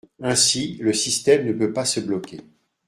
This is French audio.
Ainsi, le système ne peut pas se bloquer.